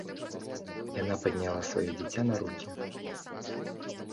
Яна падняла сваё дзіця на рукі.